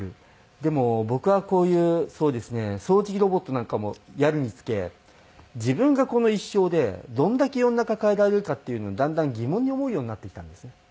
でも僕はこういうそうですね掃除機ロボットなんかもやるにつけ自分がこの一生でどれだけ世の中変えられるかっていうのをだんだん疑問に思うようになってきたんですね。